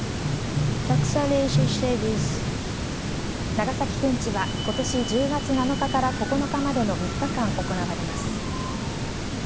長崎くんちはことし１０月７日から９日までの３日間、行われます。